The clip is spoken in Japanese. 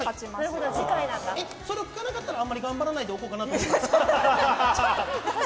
それがなかったらあんまり頑張らないでおこうと思ったんですか。